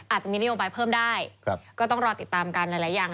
อาจจะมีนโยบายเพิ่มได้ก็ต้องรอติดตามกันหลายอย่าง